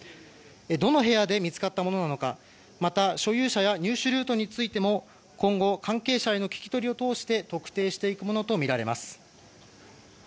どの部屋で見つかったものなのかまた、所有者や入手ルートについても今後、関係者への聞き取りを通して特定していくものとみられます。